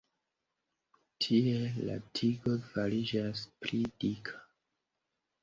Tiel la tigo fariĝas pli dika.